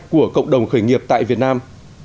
của cộng đồng khởi nghiệp tại việt nam